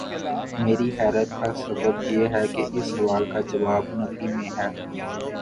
میری حیرت کا سبب یہ ہے کہ اس سوال کا جواب نفی میں ہے۔